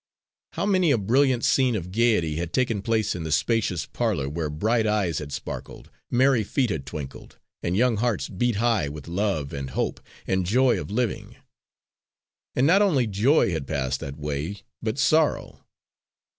How many a brilliant scene of gaiety had taken place in the spacious parlour where bright eyes had sparkled, merry feet had twinkled, and young hearts beat high with love and hope and joy of living! And not only joy had passed that way, but sorrow.